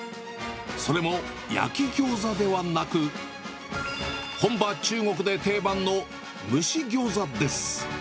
それも焼きギョーザではなく、本場、中国で定番の蒸しギョーザです。